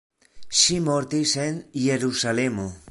Ŝi mortis en Jerusalemo.